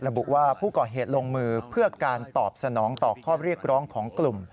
ระบุว่าผู้ก่อเหตุลงมือเพื่อการตอบสนองต่อข้อเรียกร้องของกลุ่ม